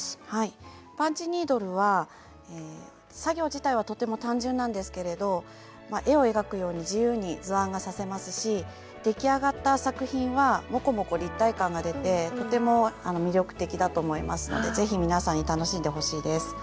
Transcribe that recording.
パンチニードルは作業自体はとても単純なんですけれど絵を描くように自由に図案が刺せますし出来上がった作品はモコモコ立体感が出てとても魅力的だと思いますので是非皆さんに楽しんでほしいです。